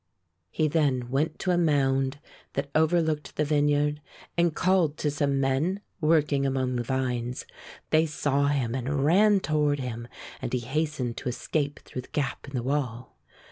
He then went to a mound that overlooked the vineyard and called to some men work ing among the vines. They saw him and ran toward him and he hastened to escape through the gap in the wall.